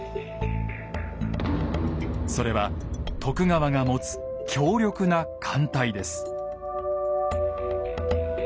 それは徳川が持つ強力な艦隊です。